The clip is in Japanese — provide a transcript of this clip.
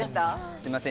すいません。